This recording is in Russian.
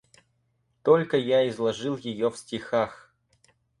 Только я изложил ее в стихах.